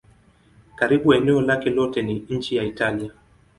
Karibu eneo lake lote ni nchi ya Italia.